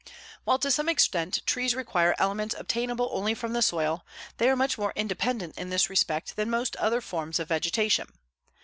While to some extent trees require elements obtainable only from the soil, they are more independent in this respect than most other forms of vegetation.